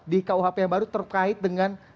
di kuhp yang baru terkait dengan